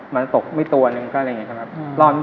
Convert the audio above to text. มันตกไม่ตัวหนึ่งก็อะไรอย่างนี้ครับ